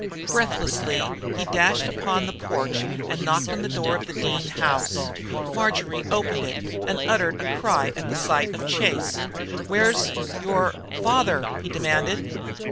Breathlessly he dashed upon the porch and knocked on the door of the Dean house. Marjory opened it and uttered a cry at sight of Chase. "Where's your father?" he demanded.